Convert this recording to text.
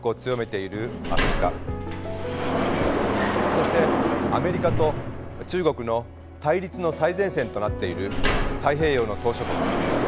そしてアメリカと中国の対立の最前線となっている太平洋の島しょ国。